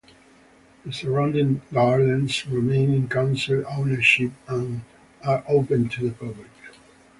The surrounding gardens remain in council ownership and are open to the public.